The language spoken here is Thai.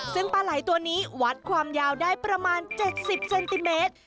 ซึ่งปลาไหล่ตัวนี้วัดความยาวได้ประมาณ๗๐เซนติเมตร